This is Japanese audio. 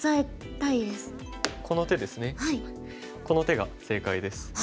この手が正解です。